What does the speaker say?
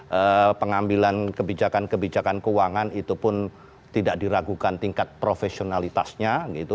jadi pengambilan kebijakan kebijakan keuangan itu pun tidak diragukan tingkat profesionalitasnya